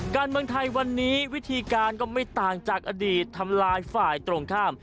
การเมืองไทยวันนี้วิธีการก็ไม่ต่างจากอดีตทำลายฝ่ายตรงข้าม